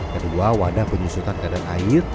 kedua wadah penyusutan kadar air